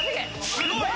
すごい！